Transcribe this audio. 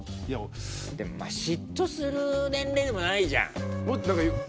でも嫉妬する年齢でもないじゃん。